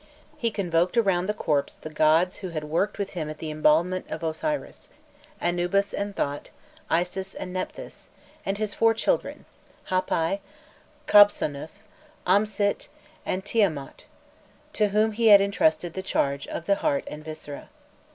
He convoked around the corpse the gods who had worked with him at the embalmment of Osiris: Anubis and Thot, Isis and Nephthys, and his four children Hâpi, Qabhsonûf, Amsît, and Tiûmaûtf to whom he had entrusted the charge of the heart and viscera.